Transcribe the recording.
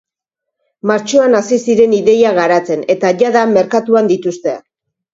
Martxoan hasi ziren ideia garatzen eta jada merkatuan dituzte.